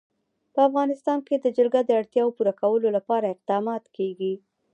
په افغانستان کې د جلګه د اړتیاوو پوره کولو لپاره اقدامات کېږي.